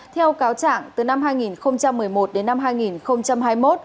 theo cáo trạng từ năm hai nghìn một mươi một đến năm hai nghìn hai mươi một